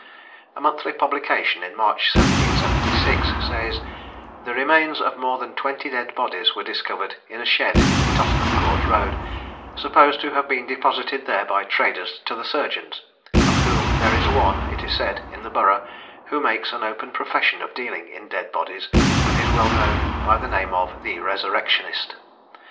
A monthly publication, in March 1776, says, "The remains of more than twenty dead bodies were discovered in a shed in Tottenham court road, supposed to have been deposited there by traders to the surgeons, of whom there is one, it is said, in the Borough, who makes an open profession of dealing in dead bodies, and is well known by the name of "The Resurrectionist."